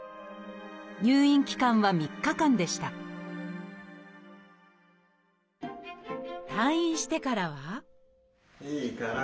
入院期間は３日間でした退院してからはいいから！